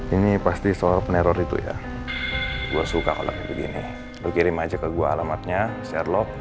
ini pasti soal peneror itu ya gua suka kalau begini lu kirim aja ke gua alamatnya sherlock